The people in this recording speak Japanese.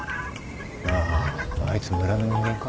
なああいつ村の人間か？